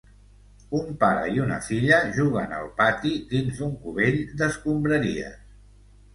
Un pare i una filla jugant al pati dins d'un cubell d'escombraries.